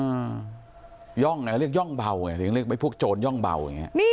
อืมย่องเนี้ยเรียกย่องเบาไงเรียกพวกโจรย่องเบาอย่างเงี้ย